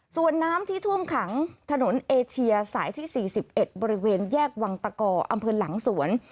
ส่วนน้ำที่ท่วมขังถนนเอเชียสายที่๔๑บริเวณแยกวังตะกออำเภอหลังสวน